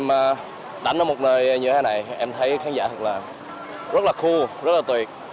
đầu tiên em đánh vào một nơi như thế này em thấy khán giả thật là rất là cool rất là tuyệt